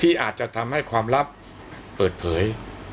อาจจะทำให้ความลับเปิดเผย